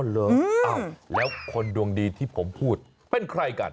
เหรอแล้วคนดวงดีที่ผมพูดเป็นใครกัน